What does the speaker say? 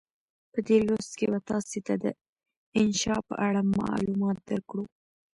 په دې لوست کې به تاسې ته د انشأ په اړه معلومات درکړو.